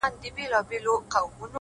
زه چي لـه چــــا سـره خبـري كـوم;